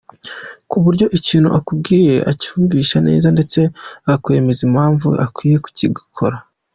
ku buryo ikintu akubwiye akikumvisha neza ndetse akakwemeza impamvu ukwiye kugikora.